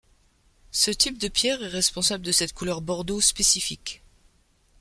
Ce type de pierre est responsable de cette couleur bordeaux spécifique.